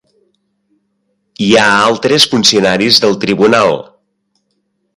Hi ha altres funcionaris del tribunal.